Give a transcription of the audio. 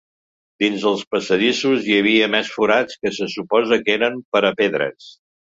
Dins els passadissos hi havia més forats que se suposa que eren per a pedres.